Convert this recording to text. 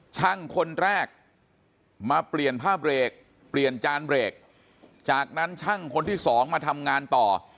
ช่างคนแรกมาเปลี่ยนผ้าเบรกเปลี่ยนจานเบรกจากนั้นช่างคนที่สองมาทำงานต่อ